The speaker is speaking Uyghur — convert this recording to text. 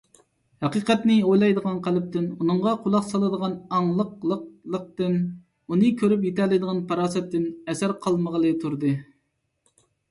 ھەقىقەتنى ئويلايدىغان قەلبتىن، ئۇنىڭغا قۇلاق سالىدىغان ئاڭلىقلىقتىن، ئۇنى كۆرۈپ يېتەلەيدىغان پاراسەتتىن ئەسەر قالمىغىلى تۇردى.